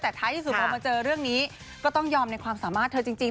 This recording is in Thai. แต่ท้ายที่สุดพอมาเจอเรื่องนี้ก็ต้องยอมในความสามารถเธอจริง